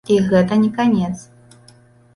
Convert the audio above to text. І гэта не канец.